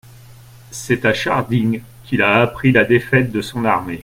C'est à Scharding qu'il a appris la défaite de son armée.